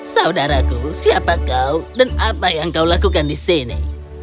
saudaraku siapa kau dan apa yang kau lakukan ini